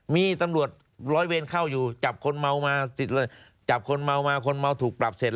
มีตำรวจร้อยเวรเข้าอยู่จับคนเมามาติดเลยจับคนเมามาคนเมาถูกปรับเสร็จ